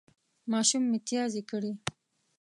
ماشوم متیازې کړې